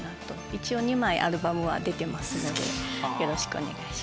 一応２枚アルバムは出てますのでよろしくお願いします。